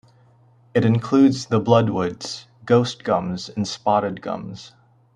It includes the bloodwoods, ghost gums and spotted gums.